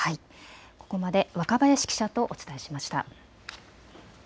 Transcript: ここまで若林記者とお伝えしました。